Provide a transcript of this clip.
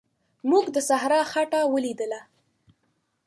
موږ د صحرا خټه ولیده.